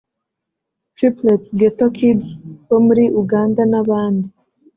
Triplets Ghetto Kids bo muri Uganda n’abandi